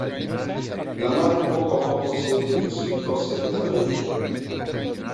La madre poco a poco siente que su hijo se aleja de ella.